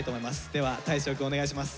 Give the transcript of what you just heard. では大昇くんお願いします。